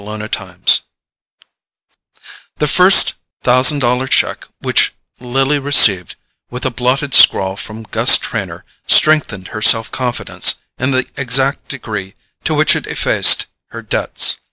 Chapter 8 The first thousand dollar cheque which Lily received with a blotted scrawl from Gus Trenor strengthened her self confidence in the exact degree to which it effaced her debts.